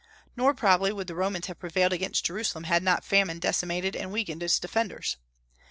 Nor probably would the Romans have prevailed against Jerusalem had not famine decimated and weakened its defenders.